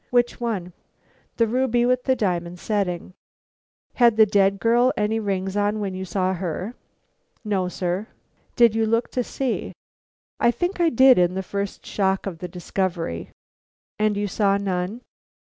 "Which one?" "The ruby with the diamond setting." "Had the dead girl any rings on when you saw her?" "No, sir." "Did you look to see?" "I think I did in the first shock of the discovery." "And you saw none?"